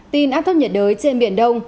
tin áp thấp nhiệt đới trên biển đông